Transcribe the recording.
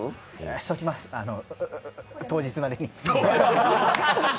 しときます、当日までに。